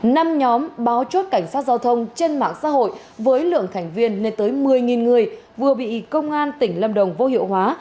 năm nhóm báo chốt cảnh sát giao thông trên mạng xã hội với lượng thành viên lên tới một mươi người vừa bị công an tỉnh lâm đồng vô hiệu hóa